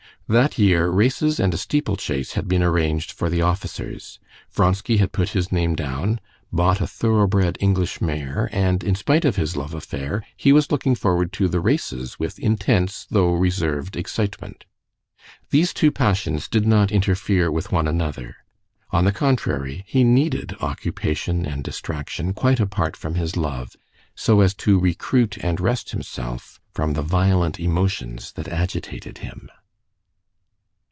That year races and a steeplechase had been arranged for the officers. Vronsky had put his name down, bought a thoroughbred English mare, and in spite of his love affair, he was looking forward to the races with intense, though reserved, excitement.... These two passions did not interfere with one another. On the contrary, he needed occupation and distraction quite apart from his love, so as to recruit and rest himself from the violent emotions that agitated him.